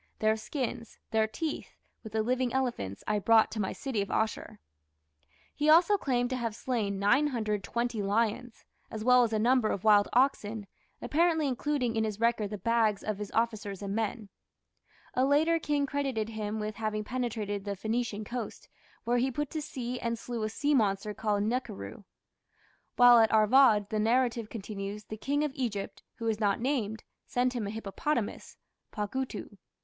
Their skins, their teeth, with the living elephants, I brought to my city of Asshur." He also claimed to have slain 920 lions, as well as a number of wild oxen, apparently including in his record the "bags" of his officers and men. A later king credited him with having penetrated to the Phoenician coast, where he put to sea and slew a sea monster called the "nakhiru". While at Arvad, the narrative continues, the King of Egypt, who is not named, sent him a hippopotamus (pagutu).